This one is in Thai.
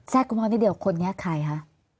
แหละคุณพ่อคนนี้ใครฮะ